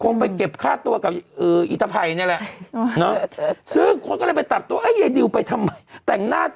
เนอะซึ่งคนก็เลยไปตัดตัวเอ้ยยายดิวไปทำไมแต่งหน้า